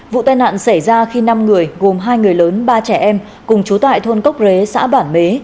vụ tai nạn xảy ra khi năm người gồm hai người lớn ba trẻ em cùng chú tại thôn cốc rế xã bản mế